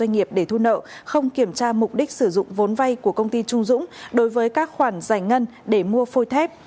doanh nghiệp để thu nợ không kiểm tra mục đích sử dụng vốn vay của công ty trung dũng đối với các khoản giải ngân để mua phôi thép